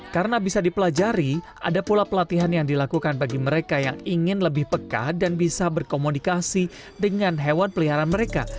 karena bisa dipelajari ada pula pelatihan yang dilakukan bagi mereka yang ingin lebih pekat dan bisa berkomunikasi dengan hewan peliharaan mereka